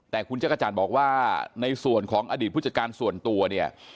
แต่คุณจักรจันทร์บอกว่าในส่วนของอดีตผู้จัดการส่วนตัวเนี่ย